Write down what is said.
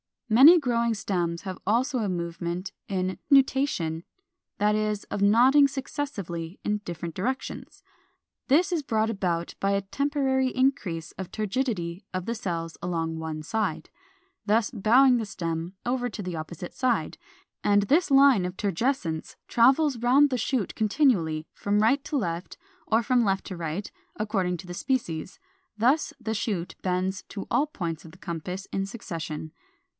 467. Many growing stems have also a movement of Nutation, that is, of nodding successively in different directions. This is brought about by a temporary increase of turgidity of the cells along one side, thus bowing the stem over to the opposite side; and this line of turgescence travels round the shoot continually, from right to left or from left to right according to the species: thus the shoot bends to all points of the compass in succession.